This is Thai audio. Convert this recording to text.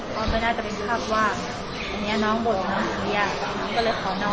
ก็ไม่น่าจะเป็นภาพว่าอันนี้น้องบ่นมาหนูเรียกน้องก็เลยขอน้อง